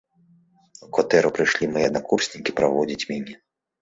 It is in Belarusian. У кватэру прыйшлі мае аднакурснікі праводзіць мяне.